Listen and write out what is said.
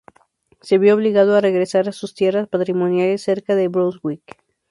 Se vio obligado a regresar a sus tierras patrimoniales cerca de Brunswick.